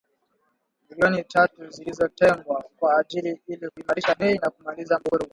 milioni tatu zilizotengwa kwa ajili ili kuimarisha bei na kumaliza mgogoro huo